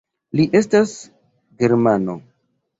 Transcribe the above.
Li estas germano.